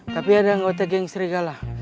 tapi ada anggota geng serigala